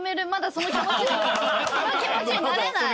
その気持ちになれない。